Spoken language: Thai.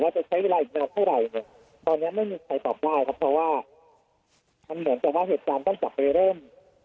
ตอนเนี้ยไม่มีใครตอบบ้าครับเพราะว่าข้ามเหมือนจะว่าเหตุการณ์ต้องสับไปเริ่ม